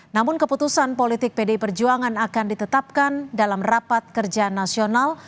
namun keputusan politik pdi perjuangan akan ditetapkan dalam rapat kerja nasional